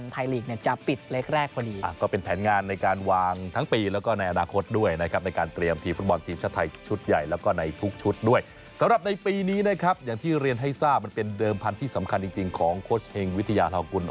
ทีนี้นะครับอย่างที่เรียนให้ทราบมันเป็นเดิมพันธุ์ที่สำคัญจริงของโคชเฮงวิทยาธาคุณ